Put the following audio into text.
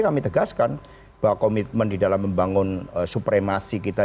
kami tegaskan bahwa komitmen di dalam membangun supremasi kita